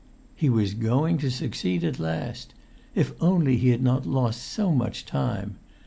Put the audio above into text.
He was going to succeed at last! If only he had not lost so much time!